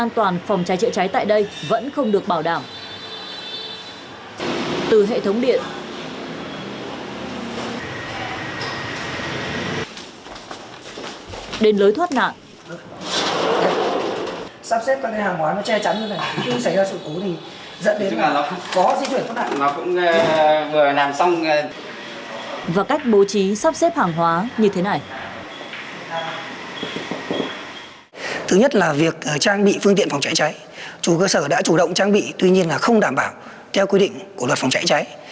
thứ nhất là việc trang bị phương tiện phòng cháy cháy chủ cơ sở đã chủ động trang bị tuy nhiên là không đảm bảo theo quy định của luật phòng cháy cháy